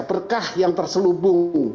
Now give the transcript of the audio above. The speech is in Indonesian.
perkah yang terselubung